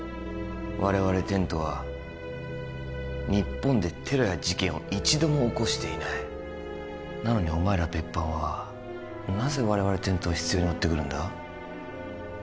我々テントは日本でテロや事件を一度も起こしていないなのにお前ら別班はなぜ我々テントを執拗に追ってくるんだ？